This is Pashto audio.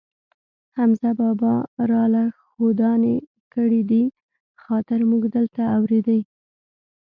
حمزه بابا را له ښودانې کړی دي، خاطر مونږ دلته اورېدی.